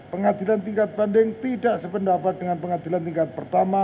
pengadilan tingkat banding tidak sependapat dengan pengadilan tingkat pertama